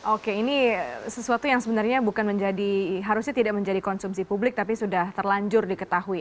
oke ini sesuatu yang sebenarnya bukan menjadi harusnya tidak menjadi konsumsi publik tapi sudah terlanjur diketahui